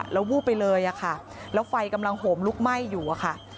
แล้ววูบไปเลยค่ะแล้วไฟกำลังโหมลุกไหม้อยู่อะค่ะ